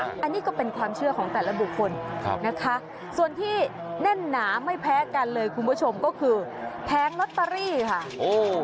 อันนี้ก็เป็นความเชื่อของแต่ละบุคคลนะคะส่วนที่แน่นหนาไม่แพ้กันเลยคุณผู้ชมก็คือแผงลอตเตอรี่ค่ะโอ้